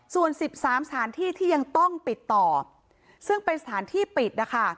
ส่วน๑๓สถานที่ที่ยังต้องปิดต่อซึ่งเป็นสถานที่ปิดนะคะ